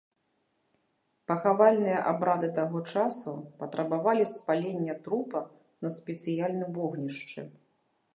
Пахавальныя абрады таго часу патрабавалі спалення трупа на спецыяльным вогнішчы.